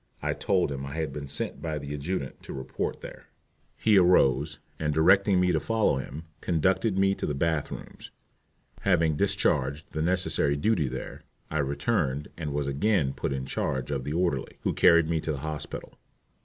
I told him I had been sent by the adjutant to report there. He arose, and directing me to follow him, conducted me to the bath rooms. Having discharged the necessary duty there, I returned and was again put in charge of the orderly, who carried me to the hospital.